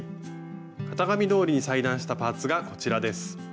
型紙どおりに裁断したパーツがこちらです。